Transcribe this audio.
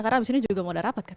karena abis ini juga mau ada rapat